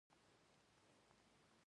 مچان د بنده خوب له منځه وړي